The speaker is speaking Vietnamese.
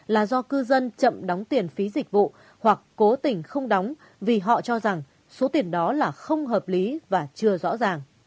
là do cư dân chậm đóng tiền phí dịch vụ hoặc cố tình không đóng vì họ cho rằng số tiền đó là không hợp lý và chưa rõ ràng